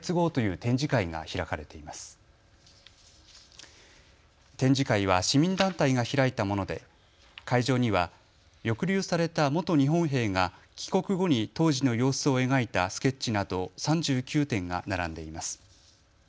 展示会は市民団体が開いたもので会場には抑留された元日本兵が帰国後に当時の様子を描いたスケッチなど３９点が並んでいます。